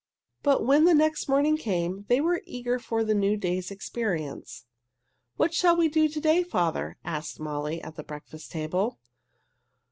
But when the next morning came they were eager for the new day's experience. "What shall we do to day, father?" asked Molly at the breakfast table.